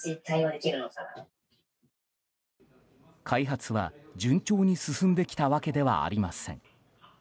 開発は、順調に進んできたわけではありません。